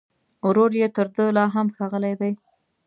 ورور يې تر ده لا هم ښاغلی دی